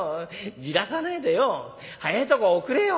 じらさねえでよ早えとこおくれよ」。